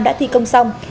đã thi công xong